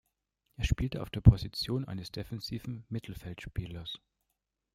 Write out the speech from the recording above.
Er spielte auf der Position eines defensiven Mittelfeldspielers.